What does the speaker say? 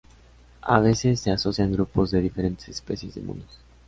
A veces se asocian grupos de diferentes especies de monos.